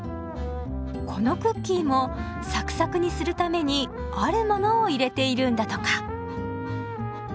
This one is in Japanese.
このクッキーもサクサクにするためにあるモノを入れているんだとか。